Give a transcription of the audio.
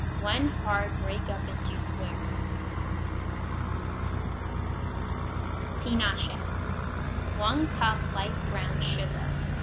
When hard break up into squares. Pinoche 1 cup light brown sugar.